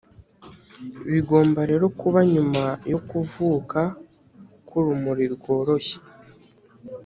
bigomba rero kuba nyuma yo kuvuka k'urumuri rworoshye